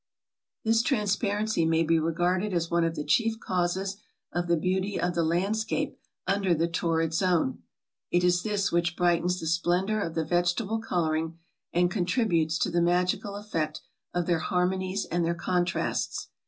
This transparency may be regarded as one of the chief causes of the beauty of the landscape under the torrid zone ; it is this which brightens the splendor of the vegetable coloring and contributes to the magical effect of their harmonies and their contrasts.